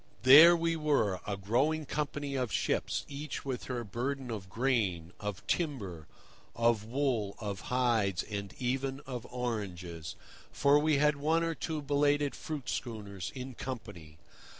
There we were, a growing company of ships, each with her burden of grain, of timber, of wool, of hides, and even of oranges, for we had one or two belated fruit schooners in company.